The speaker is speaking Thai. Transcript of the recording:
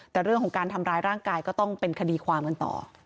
แต่เรื่องของการทำร้ายร่างกายก็ต้องเป็นคดีความกันต่อ